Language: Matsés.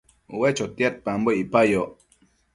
Ue chotiambo icpayoc